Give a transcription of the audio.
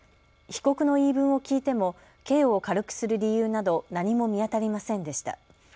被告の言い分を聞いても刑を軽くする理由など何も見当たりませんでした。